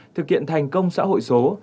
thực hiện thành công xã hội số